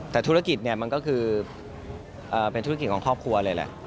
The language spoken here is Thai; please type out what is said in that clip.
แต่ธุรกิจเนี่ยมันก็คือเป็นธุรกิจของครอบครัวเลยแหละ